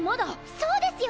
そうですよ！